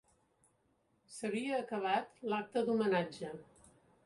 S'havia acabat l'acte d'homenatge.